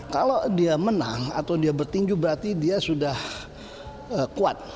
kalau dia menang atau dia bertinju berarti dia sudah kuat